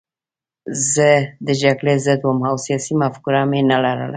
زه د جګړې ضد وم او سیاسي مفکوره مې نه لرله